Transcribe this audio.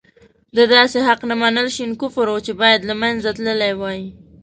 د داسې حق نه منل شين کفر وو چې باید له منځه تللی وای.